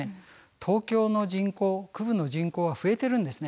東京の人口区部の人口が増えてるんですね。